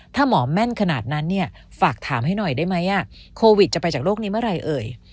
ถ้าหมอแม่นขนาดนั้นเนี่ยฝากถามให้หน่อยได้ไหมโควิดจะไปจากโรคนี้เมื่อไหร่เอ่ย